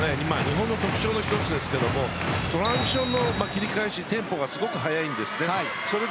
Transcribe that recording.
日本の特徴の一つですがトランジションの切り返しテンポがすごく速いんです。